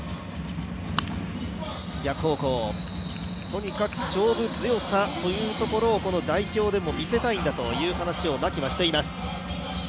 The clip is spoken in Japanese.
とにかく勝負強さというところをこの代表でも見せたいんだという話を牧はしています。